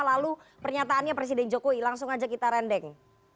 lalu pernyataannya presiden jokowi langsung aja kita rendeng